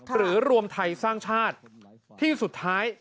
รวมไทยสร้างชาติที่สุดท้าย